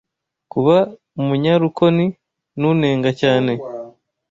Kuba umunyarukoni n’unenga cyane,